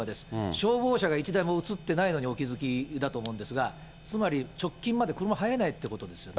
消防車が１台も映ってないのにお気付きだと思うんですが、つまり、直近まで車、入れないということですよね。